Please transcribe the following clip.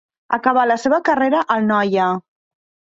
Acabà la seva carrera al Noia.